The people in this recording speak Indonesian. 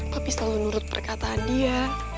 papi selalu nurut perkataan dia